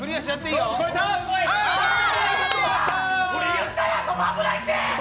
言ったやん、ここ危ないって！